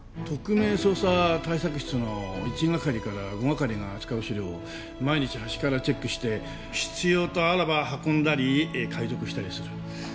特命捜査対策室の１係から５係が扱う資料を毎日端からチェックして必要とあらば運んだり解読したりする。